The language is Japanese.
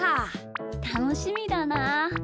たのしみだなあ。